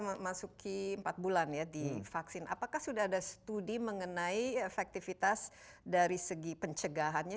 memasuki empat bulan ya di vaksin apakah sudah ada studi mengenai efektivitas dari segi pencegahannya